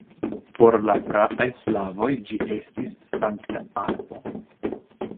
Por la praaj slavoj ĝi estis sankta arbo.